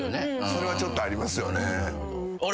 それはちょっとありますよね。